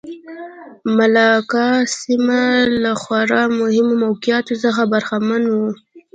ملاکا سیمه له خورا مهم موقعیت څخه برخمنه وه.